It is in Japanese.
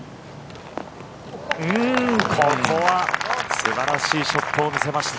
ここは素晴らしいショットを見せました。